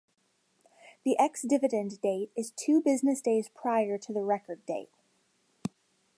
The ex-dividend date is two business days prior to the record date.